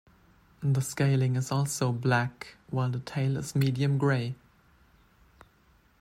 The scaling is also black, while the tail is medium grey.